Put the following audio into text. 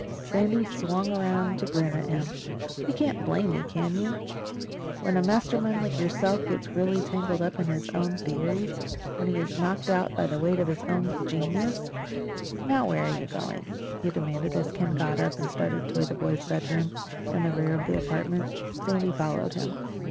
Sandy swung around to grin at him. "You can't blame me, can you? When a mastermind like yourself gets really tangled up in his own theories—when he is knocked out by the weight of his own genius—Now where are you going?" he demanded as Ken got up and started toward the boys' bedroom in the rear of the apartment. Sandy followed him.